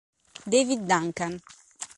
David Duncan